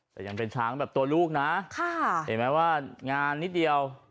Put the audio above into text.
แต่ยังเป็นช้างแบบตัวลูกนะเห็นไหมว่างานนิดเดียว